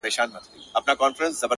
دا داسي سوى وي!